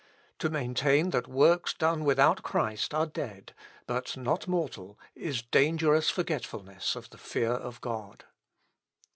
"To maintain that works done without Christ are dead, but not mortal, is dangerous forgetfulness of the fear of God.